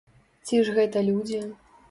Ці ж гэта людзі?